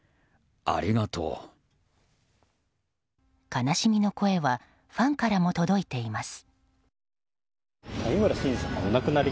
悲しみの声はファンからも届いています。